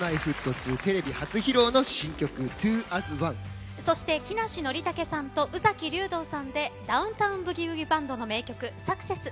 ２テレビ初披露の新曲「ＴｗｏａｓＯｎｅ」そして木梨憲武さんと宇崎竜童さんでダウン・タウン・ブギウギ・バンドの名曲「サクセス」